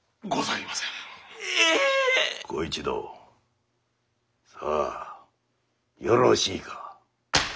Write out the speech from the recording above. ご一同さあよろしいか。